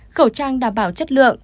khẩu trang đảm bảo chất lượng